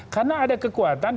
karena ada kekuatan